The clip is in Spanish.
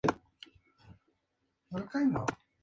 Alberto Hurtado es su alcalde.